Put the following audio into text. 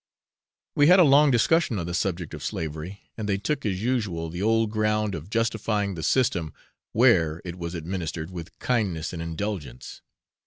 We had a long discussion on the subject of slavery, and they took as usual the old ground of justifying the system, where it was administered with kindness and indulgence.